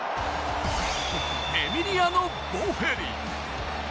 エミリアノ・ボフェリ。